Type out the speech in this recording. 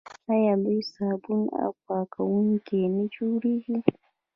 آیا دوی صابون او پاکوونکي نه جوړوي؟